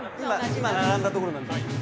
今、並んだところなんで。